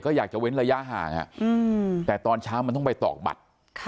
ก็อยากจะเว้นระยะห่างแต่ตอนเช้ามันต้องไปตอกบัตร